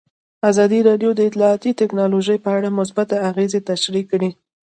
ازادي راډیو د اطلاعاتی تکنالوژي په اړه مثبت اغېزې تشریح کړي.